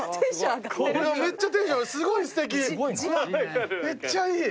めっちゃいい！